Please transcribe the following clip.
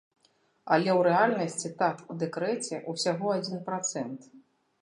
Але ў рэальнасці тат у дэкрэце ўсяго адзін працэнт.